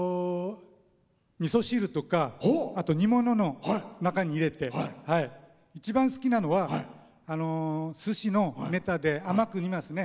みそ汁とかあと煮物の中に入れて一番好きなのは、すしのネタで甘く煮ますね。